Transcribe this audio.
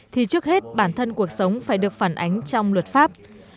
thì trước hết bản thân cuộc sống phải được phản ánh trong luật pháp